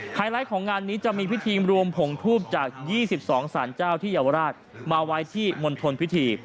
ไลท์ของงานนี้จะมีพิธีรวมผงทูบจาก๒๒สารเจ้าที่เยาวราชมาไว้ที่มณฑลพิธี